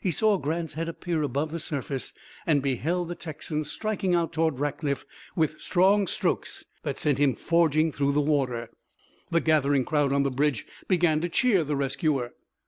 He saw Grant's head appear above the surface and beheld the Texan striking out toward Rackliff with strong strokes that sent him forging through the water. The gathering crowd on the bridge began to cheer the rescuer.